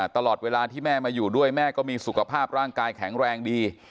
ตลอดเวลาที่แม่มาอยู่ด้วยแม่ก็มีสุขภาพร่างกายแข็งแรงดี